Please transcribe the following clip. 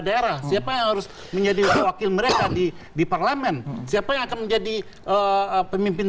daerah siapa yang harus menjadi wakil mereka di parlemen siapa yang akan menjadi pemimpin